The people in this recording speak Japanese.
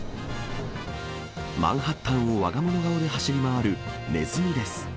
マンハッタンをわが物顔で走り回るネズミです。